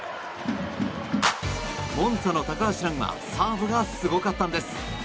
モンツァの高橋藍はサーブがすごかったんです。